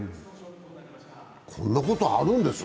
こんなことあるんですね。